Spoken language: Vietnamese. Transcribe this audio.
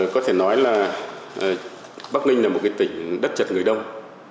có thể nói là bắc ninh là một cái tỉnh đất chật người đông